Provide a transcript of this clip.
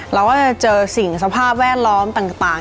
เราก็จะเจอสิ่งสภาพแวดล้อมต่าง